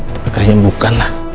tapi kayaknya bukanlah